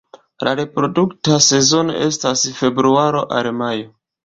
La reprodukta sezono estas februaro al majo.